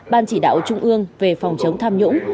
ban chỉ đạo trung ương về phòng chống tham nhũng